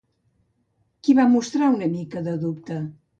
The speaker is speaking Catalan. Qui va mostrar una mica de dubte?